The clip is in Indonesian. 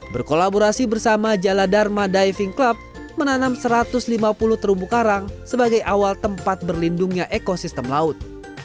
berkolaborasi bersama jaladharma diving club menanam satu ratus lima puluh terumbu karang sebagai awal tempat berlindungnya ekosistem laut